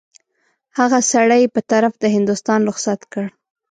هغه سړی یې په طرف د هندوستان رخصت کړ.